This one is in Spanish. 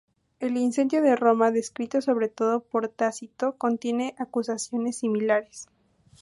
El incendio de Roma, descrito sobre todo por Tácito, contiene acusaciones similares.